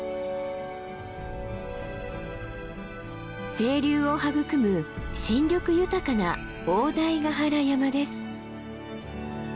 清流を育む新緑豊かな大台ヶ原山です。